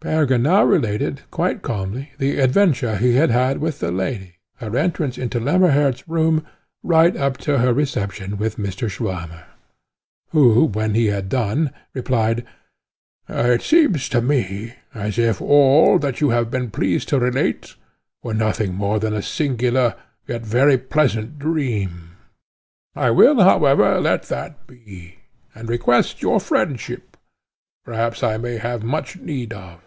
Peregrine now related, quite calmly, the adventure he had with the lady, her entrance into Lemmerhirt's room, up to her reception with Mr. Swammer, who, when he had done, replied, "It seems to me, as if all, that you have been pleased to relate, were nothing more than a singular, yet very pleasant, dream. I will, however, let that be, and request your friendship, which perhaps I may have much need of.